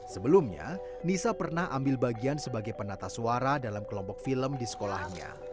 sebelumnya nisa pernah ambil bagian sebagai penata suara dalam kelompok film di sekolahnya